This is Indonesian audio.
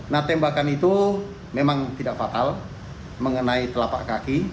nah tembakan itu memang tidak fatal mengenai telapak kaki